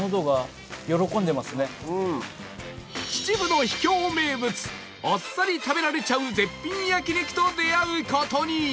秩父の秘境名物あっさり食べられちゃう絶品焼肉と出会う事に！